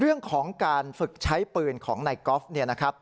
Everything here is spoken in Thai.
เรื่องของการฝึกใช้ปืนของนายกอล์ฟเนี่ยนะครับ